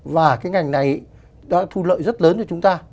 và cái ngành này đã thu lợi rất lớn cho chúng ta